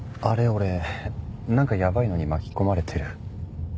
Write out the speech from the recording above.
俺なんかやばいのに巻き込まれてる？